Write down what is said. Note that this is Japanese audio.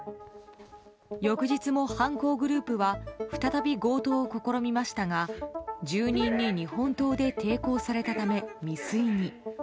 翌日も、犯行グループは再び強盗を試みましたが住人に日本刀で抵抗されたため未遂に。